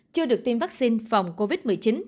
chưa được tiêm vaccine phòng covid một mươi chín